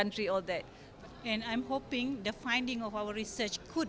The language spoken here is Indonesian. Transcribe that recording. untuk memperlukan masalah dari empat faktor